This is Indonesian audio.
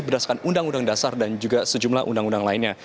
berdasarkan undang undang dasar dan juga sejumlah undang undang lainnya